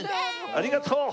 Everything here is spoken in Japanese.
ありがとう！